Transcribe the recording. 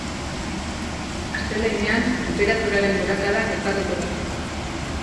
Astelehenean tenperaturaren gorakada gertatuko da.